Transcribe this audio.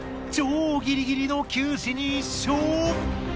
超ギリギリの九死に一生。